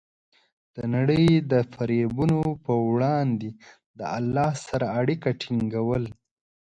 د نړۍ د فریبونو په وړاندې د الله سره د اړیکو ټینګول.